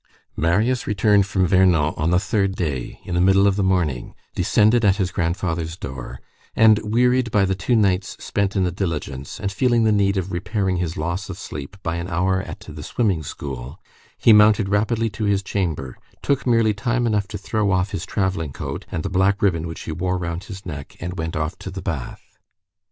Marius returned from Vernon on the third day, in the middle of the morning, descended at his grandfather's door, and, wearied by the two nights spent in the diligence, and feeling the need of repairing his loss of sleep by an hour at the swimming school, he mounted rapidly to his chamber, took merely time enough to throw off his travelling coat, and the black ribbon which he wore round his neck, and went off to the bath.